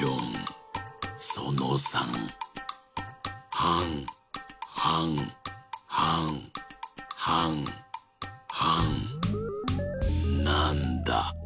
はんはんはんはんはんなんだ？